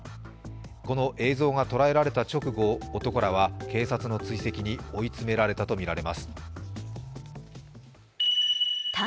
この映像が捉えられた直後、男らは警察の追跡に追い詰められたとみられます。